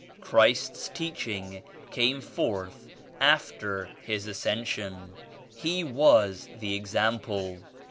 Christ's Teachings came forth after His Ascension. He was the example.